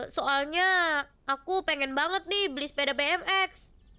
soalnya aku pengen banget nih beli sepeda bmx